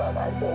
terima kasih pak